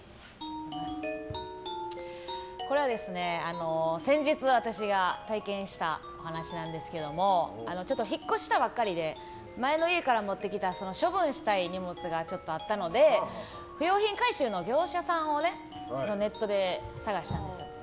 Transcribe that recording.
これは先日私が体験した話なんですけど引っ越したばかりで前の家から持ってきた処分したい荷物があったので不用品回収の業者さんをネットで探したんです。